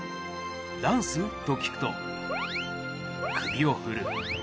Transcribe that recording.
ダンス？と聞くと、首を振る。